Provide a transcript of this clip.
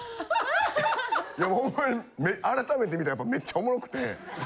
いやホンマに改めて観たらめっちゃおもろくて。